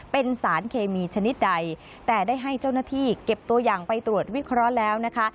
เป็นสารเคมีชนิดใดแต่ได้ให้เจ้าหน้าที่เก็บตัวอย่างไปตรวจวิเคราะห์แล้วนะคะ